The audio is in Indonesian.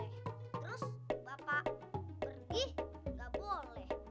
terus bapak bersih gak boleh